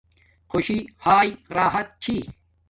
خوشی ہاݵ راحت چھی